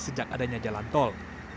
sejak adanya jalan tol